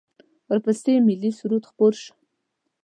ورپسې ملی سرود خپور شو.